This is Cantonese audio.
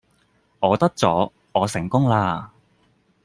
我得咗，我成功啦